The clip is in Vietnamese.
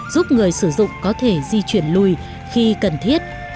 giúp người sử dụng có thể di chuyển lùi khi cần thiết